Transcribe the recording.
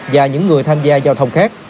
và những người tham gia giao thông khác